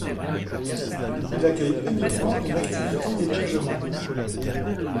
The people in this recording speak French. Il accueille uniquement une activité d'hébergement.